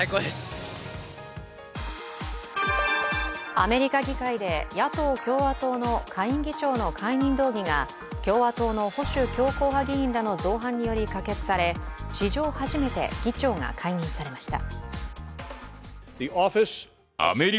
アメリカ議会で、野党・共和党の下院議長の解任動議が共和党の保守強硬派議員らの造反により可決され史上初めて議長が解任されました。